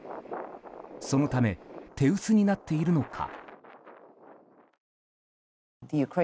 そのため手薄になっているのか。